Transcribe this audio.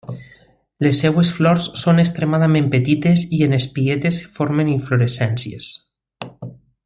Les seves flors són extremadament petites i en espiguetes que formen inflorescències.